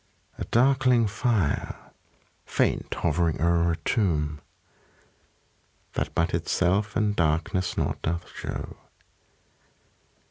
A darkling fire, faint hovering o'er a tomb. That but itself and darkness nought doth shew.